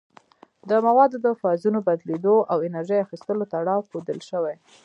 د موادو د فازونو بدلیدو او انرژي اخیستلو تړاو ښودل شوی.